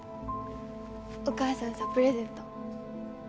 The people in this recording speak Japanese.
お母さんさプレゼント。